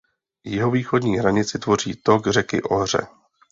Jihovýchodní hranici tvoří tok řeky Ohře.